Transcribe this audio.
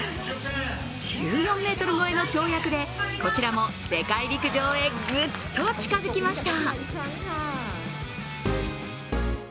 １４ｍ超えの跳躍で、こちらも世界陸上へグッと近付きました。